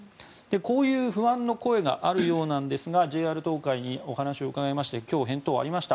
こういう不安の声があるようなんですがＪＲ東海にお話を伺いまして今日返答がありました。